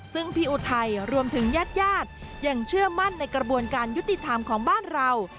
ซึ่งพี่อุทัยรวมถึงญาติยังเชื่อมั่นในกระบวนการยุติธรรมของบ้านเรา